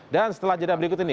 dan setelah jadwal berikut ini